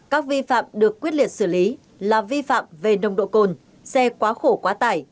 các vi phạm được quyết liệt xử lý là vi phạm về nồng độ cồn xe quá khổ quá tải